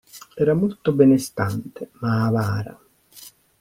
Era molto benestante, ma avara.